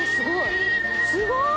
すごい！